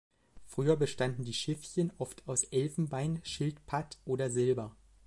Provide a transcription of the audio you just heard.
Früher bestanden die Schiffchen oft aus Elfenbein, Schildpatt oder Silber.